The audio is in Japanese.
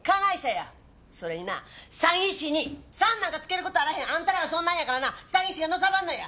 それにな詐欺師に「さん」なんか付ける事あらへん。あんたらがそんなんやからな詐欺師がのさばんのや。